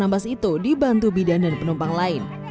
pas itu dibantu bidan dan penumpang lain